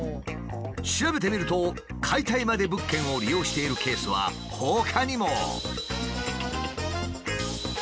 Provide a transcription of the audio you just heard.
調べてみると解体まで物件を利用しているケースはほかにも。